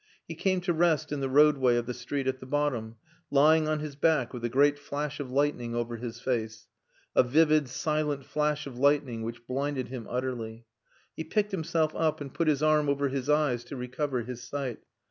He came to rest in the roadway of the street at the bottom, lying on his back, with a great flash of lightning over his face a vivid, silent flash of lightning which blinded him utterly. He picked himself up, and put his arm over his eyes to recover his sight.